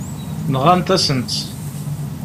Nɣant-asen-tt.